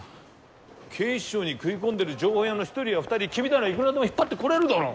警視庁に食い込んでいる情報屋の１人や２人君ならいくらでも引っ張ってこれるだろう。